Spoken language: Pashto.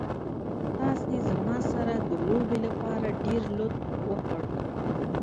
تاسې زما سره د لوبې لپاره ډېر لطف وکړ.